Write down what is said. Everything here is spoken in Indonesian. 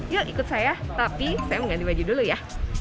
yuk ikut saya tapi saya mengganti baju dulu ya